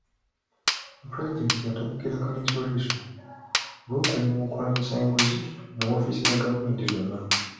Pulezidenti yatabukira Kaliisoliiso olw’okulemwa okulwanyisa enguzi mu woofiisi za gavumenti zonna.